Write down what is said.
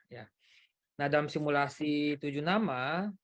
ya nah dalam simulasi tujuh nama